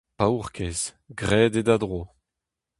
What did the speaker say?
Paourkaezh ! graet eo da dro.